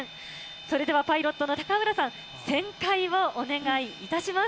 それではパイロットの高浦さん、旋回をお願いいたします。